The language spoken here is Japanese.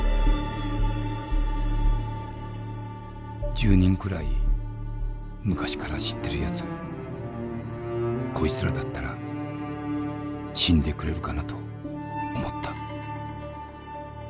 「１０人くらい昔から知ってるやつこいつらだったら死んでくれるかなと思った」。